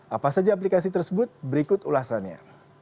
apa saja aplikasi tersebut berikut ulasannya